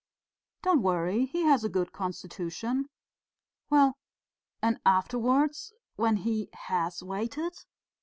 "Don't worry, he has a good constitution...." "Well, and afterwards, when he has waited?"